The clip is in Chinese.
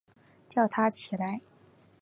叫他起来